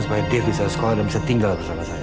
supaya dia bisa sekolah dan bisa tinggal bersama saya